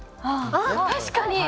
あっ確かに。